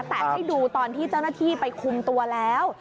แต่ให้ดูตอนที่เจ้าหน้าที่ไปคุมตัวแล้ว